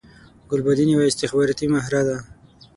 ګلبدین یوه استخباراتی مهره ده